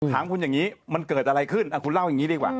ถามคุณอย่างนี้มันเกิดอะไรขึ้นคุณเล่าอย่างนี้ดีกว่า